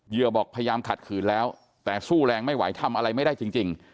บอกพยายามขัดขืนแล้วแต่สู้แรงไม่ไหวทำอะไรไม่ได้จริง